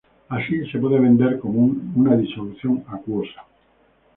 Así, se puede vender como una disolución acuosa.